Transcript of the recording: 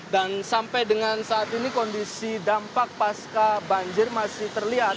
dan sampai dengan saat ini kondisi dampak pasca banjir masih terlihat